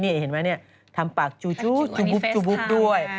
เห็นไหมทำปากจูบจูบด้วย